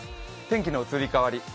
天気の移り変わり。